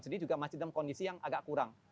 sendiri juga masih dalam kondisi yang agak kurang